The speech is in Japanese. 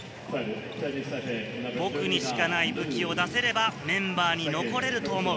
僕にしかない武器を出せればメンバーに残れると思う。